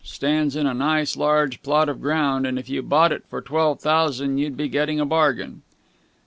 Stands in a nice large plot of ground, and if you bought it for twelve thousand you'd be getting a bargain."